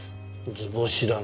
図星だな。